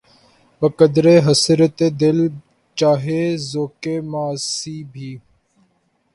بقدرِ حسرتِ دل‘ چاہیے ذوقِ معاصی بھی